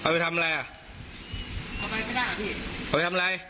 พี่